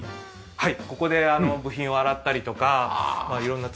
はい。